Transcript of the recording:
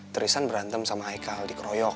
tristan berantem sama haikal di keroyok